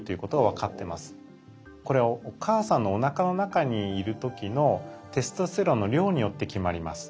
これはお母さんのおなかの中にいる時のテストステロンの量によって決まります。